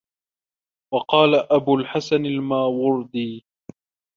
وَقَالَ أَبُو الْحَسَنِ الْمَاوَرْدِيُّ